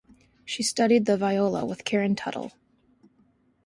She studied the viola with Karen Tuttle.